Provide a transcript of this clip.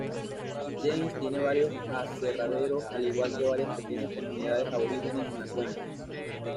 James tiene varios aserraderos al igual que varias pequeñas comunidades aborígenes en la cuenca.